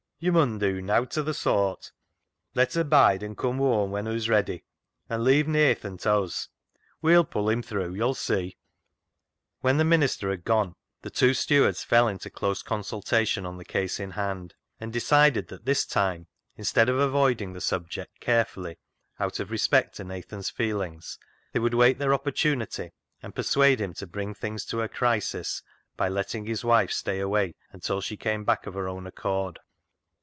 " Yo' mun dew nowt o' th' sooart. Let her bide, an' come whoam when hoo's ready. An* leave Nathan ta uz ; we'll poo' him through, yo'll see." 112 CLOG SHOP CHRONICLES When the minister had gone, the two stewards fell into close consultation on the case in hand, and decided that this time, instead of avoiding the subject carefully, out of respect to Nathan's feelings, they would wait their opportunity and persuade him to bring things to a crisis by letting his wife stay away until she came back of her own accord.